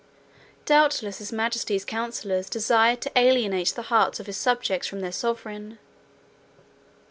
Doubtless His Majesty's councillors desired to alienate the hearts of his subjects from their sovereign.